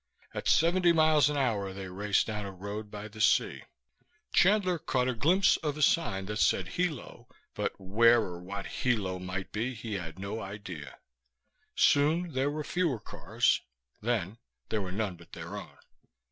At seventy miles an hour they raced down a road by the sea. Chandler caught a glimpse of a sign that said "Hilo," but where or what "Hilo" might be he had no idea. Soon there were fewer cars; then there were none but their own.